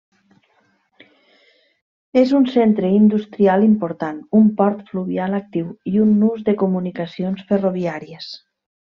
És un centre industrial important, un port fluvial actiu i un nus de comunicacions ferroviàries.